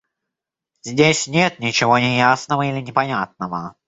Здесь нет ничего неясного или непонятного.